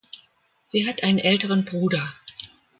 Sie hat einen älteren Bruder.